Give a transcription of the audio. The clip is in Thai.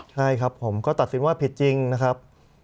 ใช่ครับผมก็ตัดสินว่าผิดจริงนะครับ